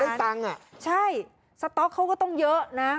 เป็นตังค์อ่ะใช่สต๊อกเขาก็ต้องเยอะนะ